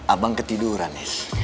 abang ketiduran ya